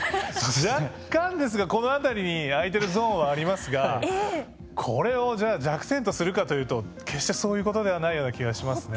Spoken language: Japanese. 若干ですがこの辺りに空いているゾーンはありますがこれをじゃあ弱点とするかというと決してそういうことではないような気がしますね。